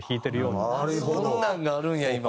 そんなんがあるんや今。